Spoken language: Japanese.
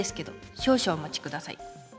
少々お待ちください。